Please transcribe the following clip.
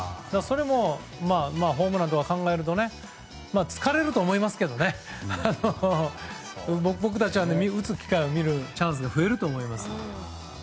それもホームランとか考えると疲れると思いますけど僕たちは打つ機会を見るチャンスが増えると思います。